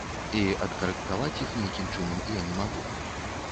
І адкарэктаваць іх нейкім чынам я не магу.